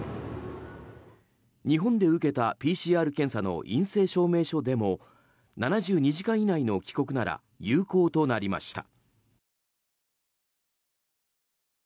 日本で受けたＰＣＲ検査の陰性証明書でも７２時間以内の帰国なら有効となりました。